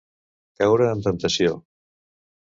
Caure en temptació.